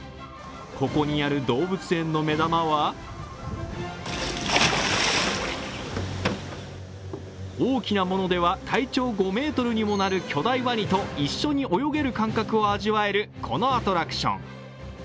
ここにある動物園の目玉は大きなものでは体長５ｍにもなる巨大ワニと一緒に泳げる感覚を味わえるこのアトラクション。